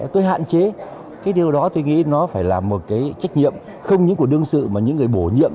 tôi hạn chế cái điều đó tôi nghĩ nó phải là một cái trách nhiệm không những của đương sự mà những người bổ nhiệm